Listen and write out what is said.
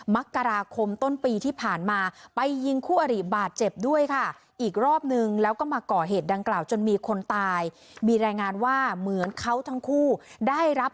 มักกราคมต้นปีที่ผ่านมาไปยิงคู่อริบาดเจ็บด้วยค่ะ